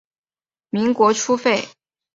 民国初废。